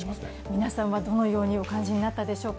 皆さんはどのようにお感じになったでしょうか。